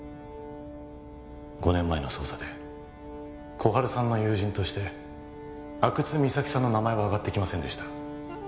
５年前の捜査で心春さんの友人として阿久津実咲さんの名前はあがってきませんでした